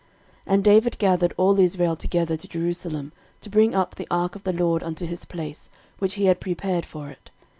13:015:003 And David gathered all Israel together to Jerusalem, to bring up the ark of the LORD unto his place, which he had prepared for it.